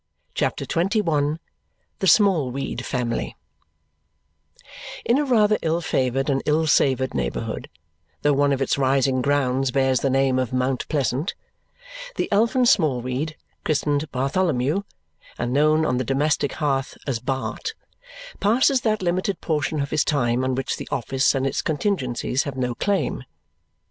CHAPTER XXI The Smallweed Family In a rather ill favoured and ill savoured neighbourhood, though one of its rising grounds bears the name of Mount Pleasant, the Elfin Smallweed, christened Bartholomew and known on the domestic hearth as Bart, passes that limited portion of his time on which the office and its contingencies have no claim.